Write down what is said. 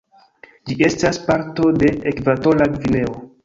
Ĝi estas parto de Ekvatora Gvineo.